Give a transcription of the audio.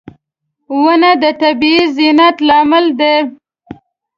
• ونه د طبیعي زینت لامل دی.